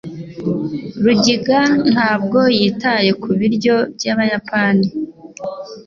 Rugiga ntabwo yitaye kubiryo byabayapani.